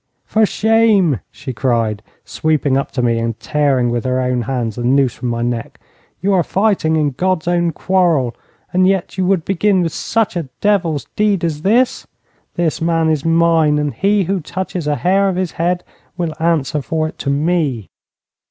'For shame!' she cried, sweeping up to me, and tearing with her own hands the noose from my neck. 'You are fighting in God's own quarrel, and yet you would begin with such a devil's deed as this. This man is mine, and he who touches a hair of his head will answer for it to me.'